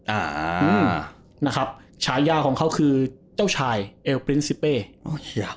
อ่าอืมนะครับฉายาของเขาคือเจ้าชายเอลปริ้นซิเป้โอเค